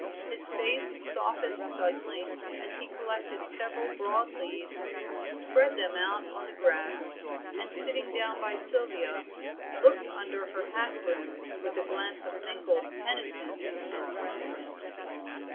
His face softened suddenly as he collected several broad leaves, spread them on the grass, and sitting down by Sylvia, looked under her hat brim with a glance of mingled penitence and friendliness.